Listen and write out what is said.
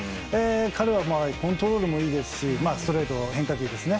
彼はコントロールもいいですしストレート、変化球ですね。